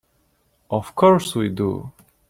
Of course we do.